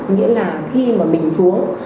nghĩa là khi mà mình xuống